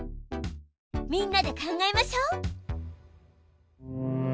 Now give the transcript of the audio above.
みんなで考えましょう。